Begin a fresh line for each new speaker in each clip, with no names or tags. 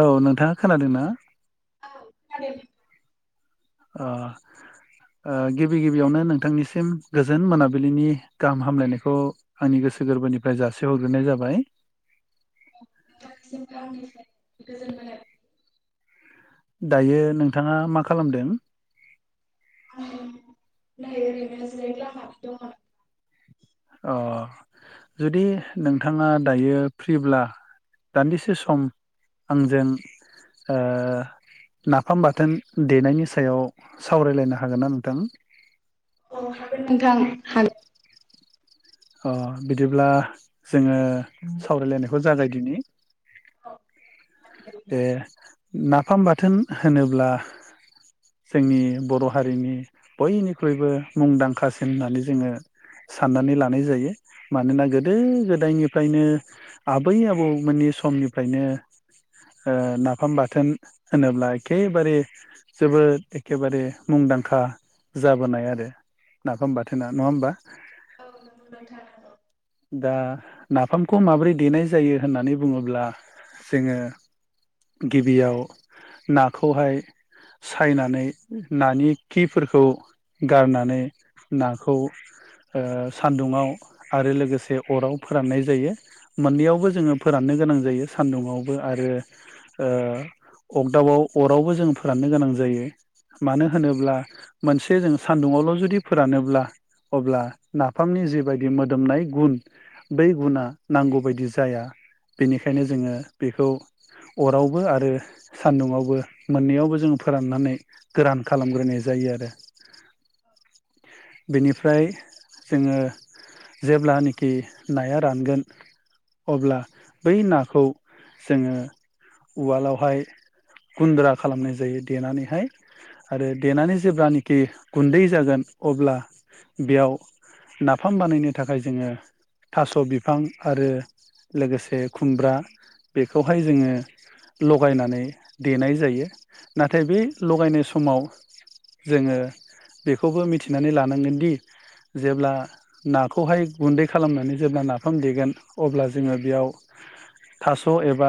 औ नोंथाङा खोनादों ना?
[unintelligible]
ओ ओ गिबि गिबियावनो नोंथांनिसिम गोजोन मोनाबिलिनि गाहाम हामलायनायखौ आंनि गोसो गोरबोनिफ्राय जासिहरग्रोनाय जाबाय।
नोंथांसिम आंनिफ्राय गोजोन मोनो
दायो नोंथाङा मा खालामदों?
दायो बिदिनो जिराय दङ दं आरो
अ जुदि नोंथाङा दायो फ्रिब्ला दान्दिसे सम आंजों ओ नाफाम बाथोन देनायनि सायाव सावरायलायनो हागोन ना नोंथां?
औ हागोन नोंथां हागो
ओ बिदिब्ला जोङो सावरायलायनायखौ जागायदिनि ए नाफाम बाथोन होनोब्ला जोंनि बर हारिनि बयनिख्रुइबो मुंदांखासिन होननानै जोङो साननानै लानाय जायो। मानोना गोदो गोदायनिफ्रायनो आबै आबौमोननि समनिफ्रायनो ओ नाफाम बाथोन होनोब्ला एखे बारे जोबोद एखे बारे मुंदांखा जाबोनाय आरो नाफाम बाथोना नङा होमबा?
औ नोंगौ नोंथां औ
दा नाफामखौ माब्रै देनाय जायो होननानै बुङोब्ला जोङो गिबियाव नाखौहाय सायनानै नानि खिफोरखौ गारनानै नाखौ ओ सान्दुंङाव आरो लोगोसे से अराव फोराननाय जायो मोननैयावबो जोङो फोराननो गोनां जायो सान्दुङावबो आरो ओ अगदाबाव अरावबो जों फोराननो गोनां जायो। मानो होनोब्ला मोनसे जों सान्दुङावल जुदि फोरानोब्ला अब्ला नाफामनि जिबायदि मोदोमनाय गुन बै गुना नांगौ बायदि जाया बेनिखायनो जोङो बेखौ अरावबो आरो सान्दुंवावबो मोननैयावबो जोङो फोराननानै गोरान खालामग्रोनाय जायो। आरो बेनिफ्राय जोङो जेब्लाजेब्लानि खि नाया रानगोन अब्ला बै नाखौ जोङो उवालावहाय गुन्द्रा खालामनाय जायो देनानैहाय आरो देनानै जेब्लानोखि गुन्दै जागोन अब्ला बेयाव नाफाम बानायनो थाखाय जोङो थास बिफां आरो लोगोसे खुमब्रा बेखौहाय जोङो लगायनानै देनाय जायो। नाथाय बे लगायनाय समाव जोंङो बेखौबो मिथिनानै लानांगोनदि जेब्ला नाखौहाय गुन्दै खालामनानै जेब्ला नाफाम देगोन अब्ला जोंङो बेयाव थास एबा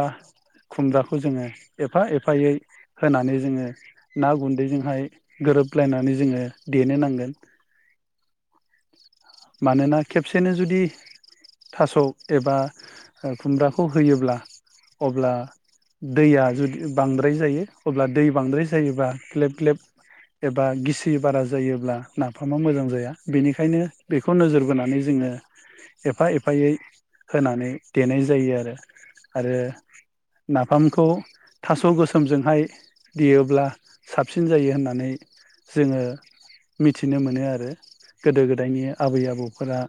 खुमब्राखौ जोंङो एफा एफायै होनानै जोंङो ना गुन्दैजोंहाय गोरोबलायनानै जोंङो देनो नांगोन मानोना खेबसेनो जु जुदि थास' एबा खुमब्राखौ होयोब्ला अब्ला दैया जुदि बांद्राय जायो अब्ला दै बांद्राय जायोबा ग्लेब ग्लेब एबा गिसि बारा जायोब्ला नाफामा मोजां जाया बेनिखायनो बेखौ नोजोर बोनानै जोङो एफा एफायै होनानै देनाय जायो आरो आरो नाफामखौ थास' गोसोमजोंहाय देयोब्ला साबसिन जायो होननानै जोङो मिथिनो मोनो आरो गोदो गोदायनि आबै आबौफोरा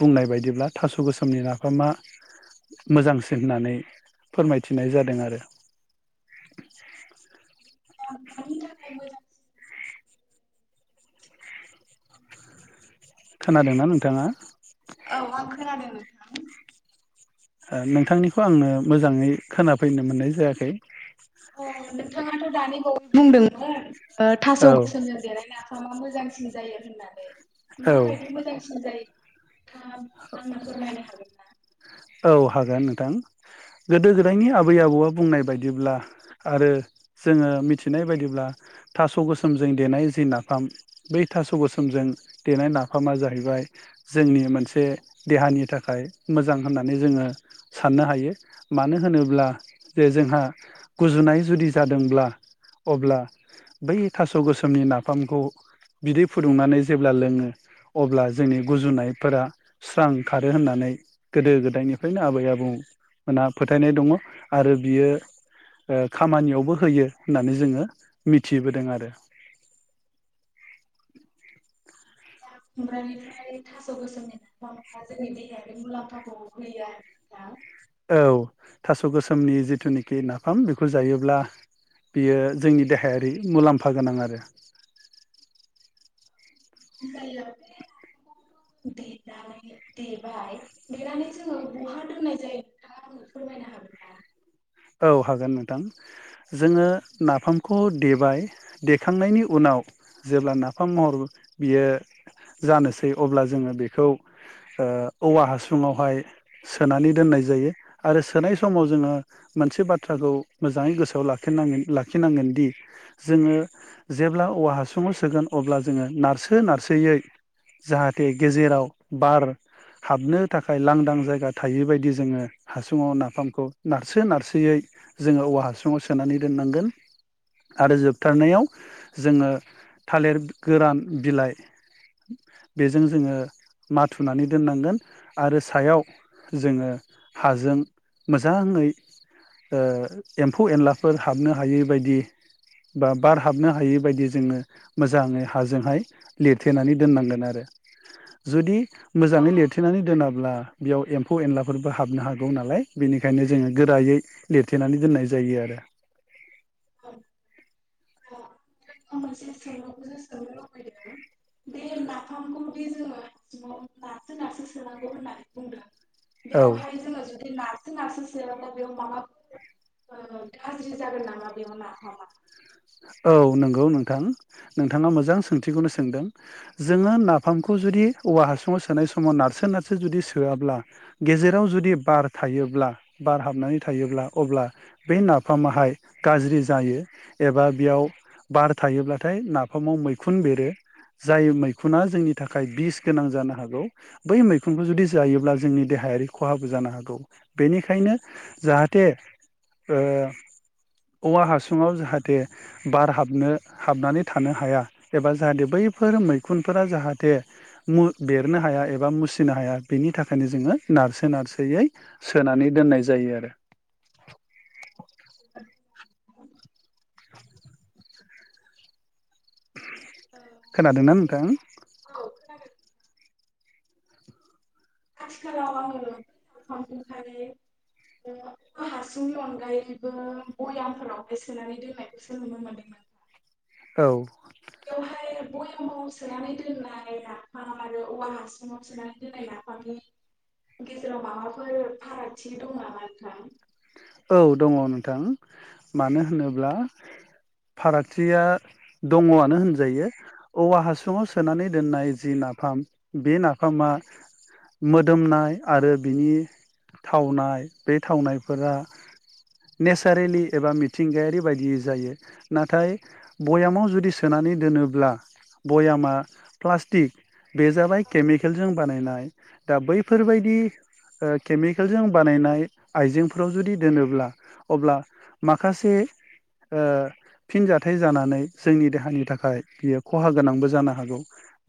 बुंनाय बायदिब्ला थास' गोसोमनि नाफामा मोजांसिन होननानै फोरमायथिनाय जादों आरो।
ओ मानि थाखाय मोजां?
खोनादोंना नोंथाङा?
[unintelligible]
नोंथांनिखौ आंनो मोजाङै खोनाफैनो मोननाय जायाखै।
अ नोंथाङाथ' दानि बावै बुंदोंमोन ओ थास'
औ
गोसोमजों देनाय नाफामा मोजांसिन जायो होननानै
औ
माबायदि मोजांसिन जायो? नोंथाङा आंनो फोरमायनो हागोन ना?
औ हागोन नोंथां गोदो गोदायनि आबै आबौआ बुंनाय बायदिब्ला आरो जोङो मिथिनाय बायदिब्ला थास' गोसोमजों देनाय जि नाफाम बै थास' गोसोमजों देनाय नाफामा जाहैबाय जोंनि मोनसे देहानि थाखाय मोजां होननानै जोङो साननो हायो मानो होनोब्ला जे जोंहा गुजुनाय जुदि जादोंब्ला अब्ला बै थास' गोसोमनि नाफामखौ बिदै फुदुंनानै जेब्ला लोङो अब्ला जोंनि गुजुनायफोरा स्रां खारो होननानै गोदो गोदायनिफ्रायनो आबै आबौमोनहा फोथायनाय दङ' आरो बियो ओ खामानियावबो होयो होननानै जोङो मिथिबोदों आरो।
दा खुमब्रानिफ्राय थास' गोसोमनि नाफामा जोंनि देहायारि मुलाम्फाखौ होयो आरो ना?
औ थास' गोसोमनि जिथुनाखि नाफाम बेखौ जायोब्ला बियो जोंनि देहायारि मुलाम्फा गोनां आरो।
[unintelligible] देबाय देनानै जोङो बहा दोननाय जायो नोंथाङा आंनो फोरमायनो हागोना?
औ हागोन नोंथां जोङो नाफामखौ देबाय देखांनायनि उनाव जेब्ला नाफाम महर बियो जानोसै अब्ला जोङो बेखौ ओ औवा हासुङावहाय सोनानै दोननाय जायो आरो सोनाय समाव जोङो मोनसे बाथ्राखौ मोजाङै गोसोआव लाखिनांगोन लाखिनांगोनदि जोङो जेब्ला औवा हासुङाव सोगोन अब्ला जोङो नारसो नारसोयै जाहाथे गेजेराव बार हाबनो थाखाय लांदां जायगा थायै बादि जोङो हासुङाव नाफामखौ नारसो नारसोयै जोङो औवा हासुङाव सोनानै दोननांगोन आरो जोबथारनायाव जोङो थालिर गोरान बिलाइ बेजों जोङो माथुनानै दोननांगोन आरो सायाव जोङो हाजों मो मोजाङै ओ एम्फौ एनलाफोर हाबनो हायै बायदि बा बार हाबनो हायै बादि जोङो मोजाङै हाजोंहाय लिरथेनानै दोननांगोन आरो जुदि मोजाङै लिरथेनानै दोनाब्ला बेयाव एम्फौ एनलाफोरबो हाबनो हागौ नालाय बेनि खायनो जोङो गोरायै लिरथेनानै दोननाय जायो आरो।
[unintelligible] जोङो मोनसे सोंलुखौसो सोंनो लुबैदों दे नाफामखौ दे जोङो सिङाव नारसो नारसो सोनांगौ होननानै बुंदों
औ
बेयावहाय जोङो जुदि ना सो नारसो सोआब्ला बेयाव माबाफोर गाज्रि जागोन नामा बेयाव नाफामा?
औ नंगौ नोंथां नोंथाङा मोजां सोंथिखौनो सोंदों जोङो नाफामखौ जुदि औवा हासुङाव सोनाय समाव नारसो नारसो जुदि सोआब्ला गेजेराव जुदि बार थायोब्ला बार हाबनानै थायोब्ला अब्ला बे नाफामाहाय गाज्रि जायो। एबा बेयाव बार थायोब्लाथाय नाफामाव मैखुन बेरो जाय मैखुना जोंनि थाखाय बिस गोनां जानो हागौ बै मैखुनखौ जुदि जायोब्ला जोंनि देहायारि खहाबो जानो हागौ बेनिखायनो जाहाथे ओ औवा हासुङाव जाहाथे जाहाथे बार हाबनो हाबनानै थानो हाया एबा जाहाथे बैफोर मैखुनफोरा जाहाथे बेरनो हाया एबा मुसिनो हाया बेनि थाखायनो जोङो नारसो नारसोयै सोनानै दोननाय जायो आरो।
[inaudible]
[inaudible] खोनादोंना नोंथां?
आथिखालाव आङो बे [unintelligible] हासुंनि अनगायैबो बयामफोरावहाय सोनानै दोननायखौसो नुनो मोन्दों नोंथां।
औ।
बेवहाय बयामाव सोनानै दोननाय नाफाम आरो औवा हासुङाव सोनानै दोननाय नाफामनि गेजेराव माबाफोर फारागथि दं नामा नोंथां?
औ दङ' नोंथां मानो होनोब्ला फारागथिया दङ'आनो होनजायो औवा हासुङाव सोनानै दोननाय जि नाफाम बे नाफामा मोदोमनाय आरो बिनि थावनाय बे थावनायफोरा नेचारेलि एबा मिथिंगायारि बायदियो जायो नाथाय बयामाव जुदि सोनानै दोनोब्ला भयामा प्लास्टिक बे जाबाय केमिकेलजों बानायनाय दा बैफोरबायदि केमिकेलजों बानायनाय आइजेंफोराव जुदि दोनोब्ला अब्ला माखासे ओ फिन जाथाइ जानानै जोंनि देहानि थाखाय बियो खहा गोनांबो जानो हागौ।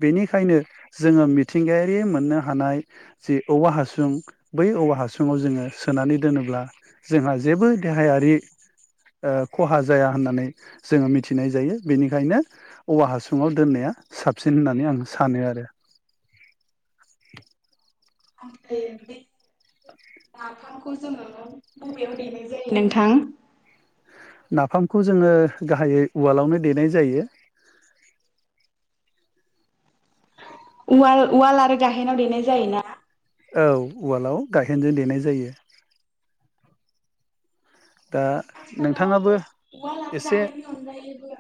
बेनिखायनो जोङो मिथिंगायारि मोननो हानाय जे औवा हासुं बै औवा हासुङाव जोङो सोनानै दोनोब्ला जोंहा जेबो देहायारि ओ खहा जाया होननानै जोङो मिथिनाय जायो। बेनिखायनो औवा हासुङाव दोननाया साबसिन होननानै आं सानो आरो।
ओमफ्रायो बे नाफामखौ जोङो बबेयाव देनाय जायो नोंथां?
नाफामखौ जोङो गाहायै उवालावनो देनाय जायो।
उवाल उवाल आरो गाहेनाव देनाय जायोना?
औ उवालाव गायहेनजों देनाय जायो। दा नोंथाङाबो
उवाल आरो
एसे
गाहेन्नि अनगायैबो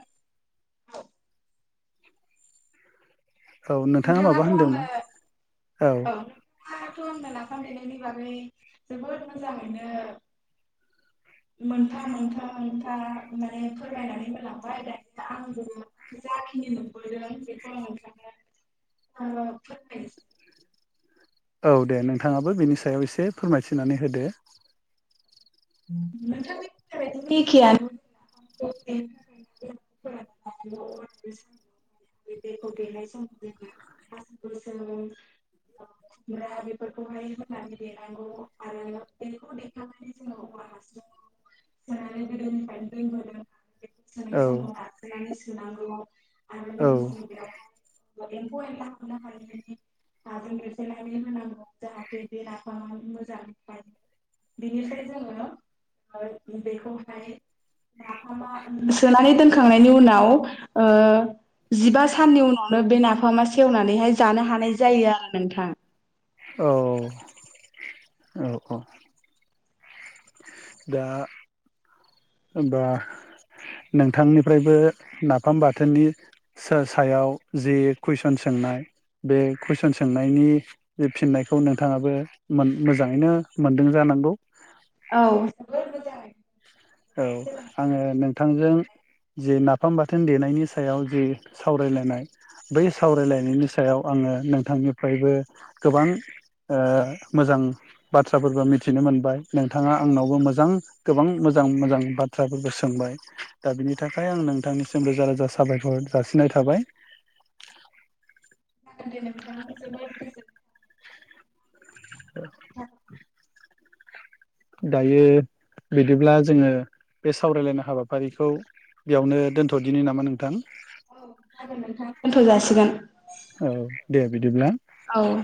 औ नोंथाङा माबा
नोंथाङाथ आंनो
होनदोंमोन
औ नोंथाङाथ आंनो नाफाम देनायनि बागै जोबोद मोजाङैनो मोनफा मोनफा मोनफा माने फोरमायनानै होलांबाय दानि आंबो जाखिनि नुबोदों बेखौ आं नोंथांनो आङो फोरमायनो
औ दे नोंथाङाबो बेनि सायाव एसे फोरमायथिनानै होदो।
[unintelligible] [unintelligible] सोनि
औ
समखौ नारजोनानै सोनांगौ आरो लोगो
औ
लोगोसे बेयावहाय एम्फौ एनला हाबनो हायैनि हाजों लेरसेइनानै होनांगौ जाहाथे बे नाफामा मोजां थायो बेनिफ्राय जोङो सोनानै दोनखांनायनि उनाव ओ जिबा साननि उनावनो बे नाफामा सेवनानैहाय जानो हानाय जायो आरो नोंथां।
औ औ औ दा होमबा नोंथांनिफ्रायबो नाफाम बाथोननि सायाव जि कुइसन सोंनाय बे कुइसन सोंनायनि फिननायखौ नोंथाङाबो मोजाङैनो मोनदों जानांगौ
औ
औ आङो नोंथांजों जि नाफाम बाथोन देनायनि सायाव जि सावरायलायनाय बै सावरायलायनायनि सायाव आङो नोंथांनिफ्रायबो गोबां ओ मोजां बाथ्राफोरखौ मिथिनो मोनबाय नोंथाङा आंनावबो मोजां गोबां मो मोजां मोजां बाथ्राफोरखौ सोंबाय दा बिनि थाखाय आं नोंथांनिसिम रोजा रोजा साबायखर जासिनाय थाबाय
नोंथां जोबोद गोजोन
[inaudible] औ दायो बिदिब्ला जोङो बे सावरायलायनाय हाबाफारिखौ बेयावनो दोनथदिनि नामा नोंथां?
थजासिगोन
औ दे बिदिब्ला
औ